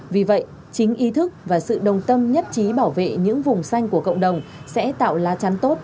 vì vậy chính ý thức và sự đồng tâm nhất trí bảo vệ những vùng xanh của cộng đồng sẽ tạo lá chắn tốt